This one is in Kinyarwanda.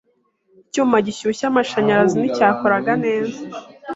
Icyuma gishyushya amashanyarazi nticyakoraga neza.